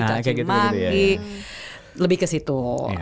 kacimaki lebih ke situ